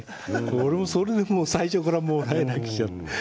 俺もそれでもう最初からもらい泣きしちゃって。